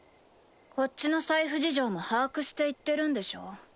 こっちの財布事情も把握して言ってるんでしょ？